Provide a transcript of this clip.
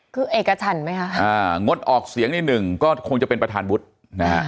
คือเอกชันไหมคะอ่างดออกเสียงนิดหนึ่งก็คงจะเป็นประธานวุฒินะฮะ